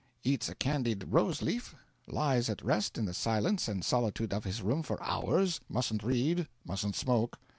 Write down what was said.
Eats a candied roseleaf. Lies at rest in the silence and solitude of his room for hours; mustn't read, mustn't smoke.